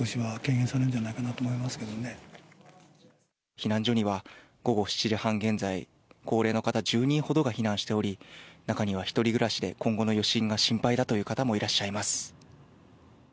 避難所には午後７時半現在高齢の方１０人ほどが避難しており中には１人暮らしで今後の余震が心配だという方もいらっしゃいます。